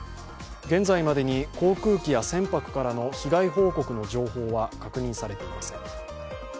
現在までに航空機や船舶からの被害報告の情報は確認されていません。